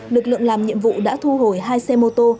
lực lượng làm nhiệm vụ đã thu hồi hai xe mô tô